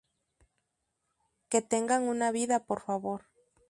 Que tengan una vida, por favor.